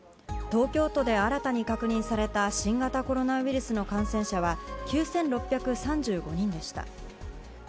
東京都で新たに確認された、新型コロナウイルスの感染者は９６３５人でした。